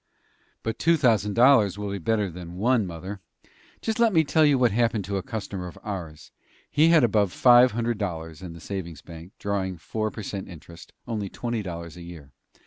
"But two thousand dollars will be better than one, mother. Just let me tell you what happened to a customer of ours: He had above five hundred dollars in the savings bank, drawing four per cent interest only twenty dollars a year.